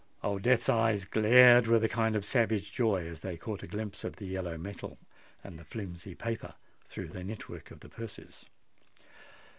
Old Death's eyes glared with a kind of savage joy as they caught a glimpse of the yellow metal and the flimsy paper through the net work of the purses.